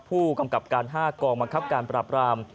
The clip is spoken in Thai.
ผู้กำกับการ๕กองบังคับการปราบราม